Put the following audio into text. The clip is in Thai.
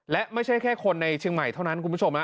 และไม่ใช่แค่คนในเชียงใหม่เท่านั้นคุณผู้ชม